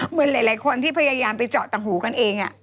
เหมือนหลายคนที่พยายามไปเจาะต่างหูกันเอง